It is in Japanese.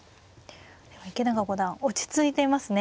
池永五段落ち着いていますね。